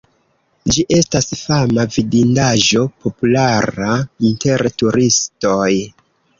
Ĝi estas fama vidindaĵo, populara inter turistoj.